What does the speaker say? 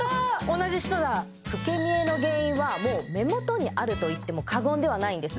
同じ人だ老け見えの原因はもう目元にあると言っても過言ではないんです